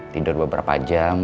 tidur beberapa jam